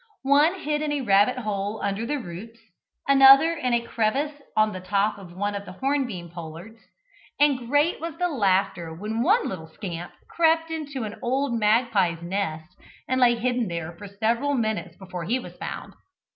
One hid in a rabbit hole under the roots, another in a crevice on the top of one of the hornbeam pollards, and great was the laughter when one little scamp crept into an old magpie's nest, and lay hidden there for several minutes before he was found.